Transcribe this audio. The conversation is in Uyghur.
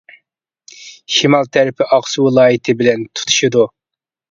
شىمال تەرىپى ئاقسۇ ۋىلايىتى بىلەن تۇتىشىدۇ.